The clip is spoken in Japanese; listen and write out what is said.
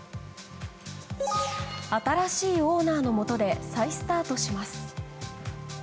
新しいオーナーのもとで再スタートします。